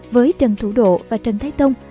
với trần thủ độ và trần thái tông